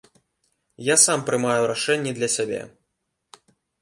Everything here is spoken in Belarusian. Я сам прымаю рашэнні для сябе.